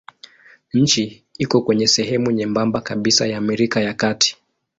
Nchi iko kwenye sehemu nyembamba kabisa ya Amerika ya Kati.